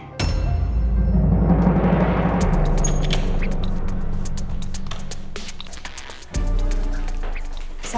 gue mau ke kamar